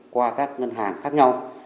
qua các ngân hàng khác nhau